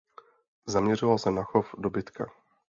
Zaměřoval se na chov dobytka.